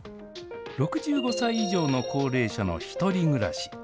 ６５歳以上の高齢者の１人暮らし。